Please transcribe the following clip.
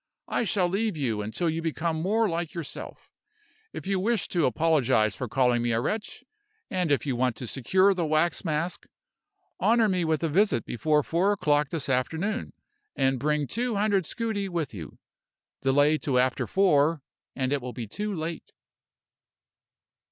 I shall leave you until you become more like yourself. If you wish to apologize for calling me a wretch, and if you want to secure the wax mask, honor me with a visit before four o'clock this afternoon, and bring two hundred scudi with you. Delay till after four, and it will be too late."